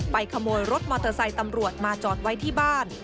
ขโมยรถมอเตอร์ไซค์ตำรวจมาจอดไว้ที่บ้าน